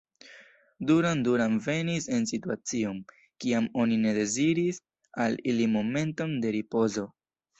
Duran Duran venis en situacion, kiam oni ne deziris al ili momenton de ripozo.